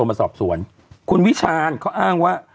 เราก็มีความหวังอะ